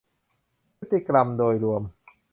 พฤติกรรมโดยรวม